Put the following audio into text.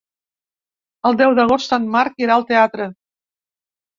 El deu d'agost en Marc irà al teatre.